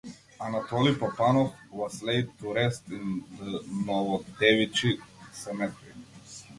Anatoli Papanov was laid to rest in the Novodevichy Cemetery.